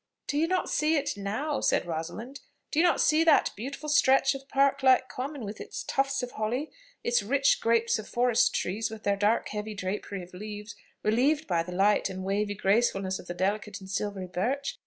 "Do you not see it now?" said Rosalind. "Do you not see that beautiful stretch of park like common, with its tufts of holly, its rich groups of forest trees, with their dark heavy drapery of leaves, relieved by the light and wavy gracefulness of the delicate and silvery birch?